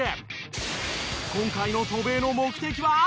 今回の渡米の目的は。